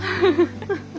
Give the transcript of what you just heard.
フフフ。